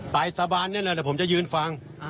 ไปสาบานเนี่ยนะแต่ผมจะยืนฟัง